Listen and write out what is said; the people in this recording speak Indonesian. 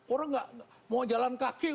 orang nggak mau jalan kaki